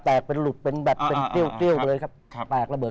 เป็นหลุดเป็นแบบเป็นเกี้ยวไปเลยครับแตกระเบิ